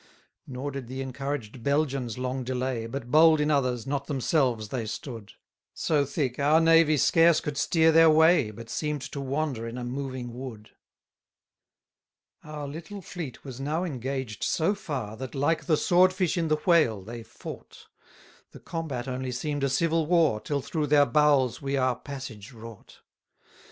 78 Nor did the encouraged Belgians long delay, But bold in others, not themselves, they stood: So thick, our navy scarce could steer their way, But seem'd to wander in a moving wood. 79 Our little fleet was now engaged so far, That, like the sword fish in the whale, they fought: The combat only seem'd a civil war, Till through their bowels we our passage wrought.